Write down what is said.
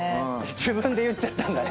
自分で言っちゃったんだね。